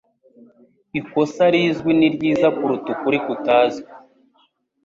Ikosa rizwi ni ryiza kuruta ukuri kutazwi